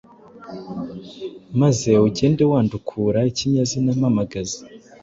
maze ugende wandukura ikinyazina mpamagazi,